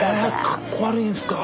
かっこ悪いんですか？